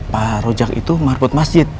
pak rojak itu marbut masjid